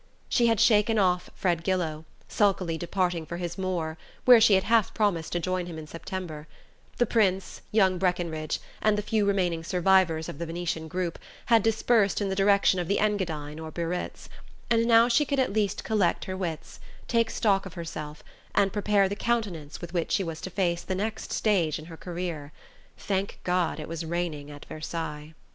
She had shaken off Fred Gillow, sulkily departing for his moor (where she had half promised to join him in September); the Prince, young Breckenridge, and the few remaining survivors of the Venetian group, had dispersed in the direction of the Engadine or Biarritz; and now she could at least collect her wits, take stock of herself, and prepare the countenance with which she was to face the next stage in her career. Thank God it was raining at Versailles!